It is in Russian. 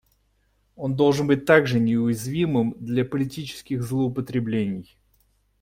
Он должен быть также неуязвимым для политических злоупотреблений.